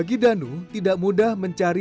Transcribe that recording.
itu dan pola danan